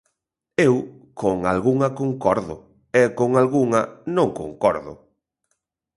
Eu con algunha concordo e con algunha non concordo.